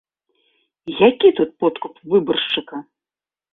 Які тут подкуп выбаршчыка?